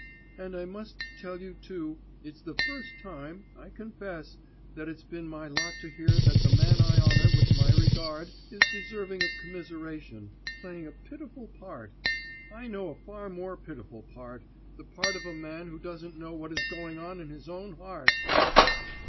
And I must tell you too, it's the first time, I confess, that it's been my lot to hear that the man I honour with my regard is deserving of commiseration, playing a pitiful part! I know a far more pitiful part, the part of a man who doesn't know what is going on in his own heart!